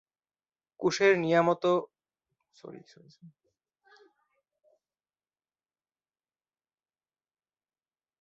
কোষের নিয়মিত ক্রিয়াকলাপ বজায় রাখার জন্যেও এটি গুরুত্বপূর্ণ।